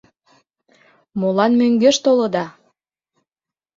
Молан мӧҥгеш толыда?